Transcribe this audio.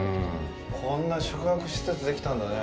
こんな宿泊施設できたんだね。